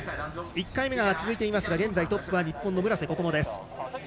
１回目が続いていますが現在、トップは日本の村瀬心椛です。